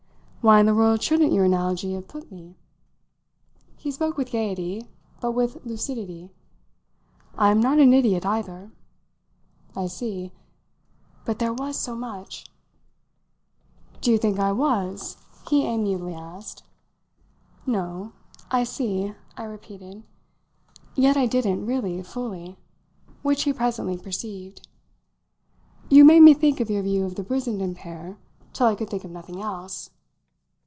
"Why in the world shouldn't your analogy have put me?" He spoke with gaiety, but with lucidity. "I'm not an idiot either." "I see." But there was so much! "Did you think I was?" he amiably asked. "No. I see," I repeated. Yet I didn't, really, fully; which he presently perceived. "You made me think of your view of the Brissenden pair till I could think of nothing else."